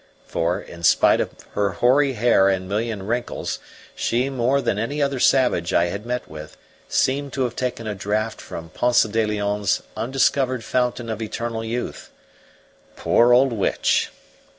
For, in spite of her hoary hair and million wrinkles, she, more than any other savage I had met with, seemed to have taken a draught from Ponce de Leon's undiscovered fountain of eternal youth. Poor old witch!